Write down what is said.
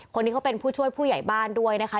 คนนี้เขาเป็นผู้ช่วยผู้ใหญ่บ้านด้วยนะคะ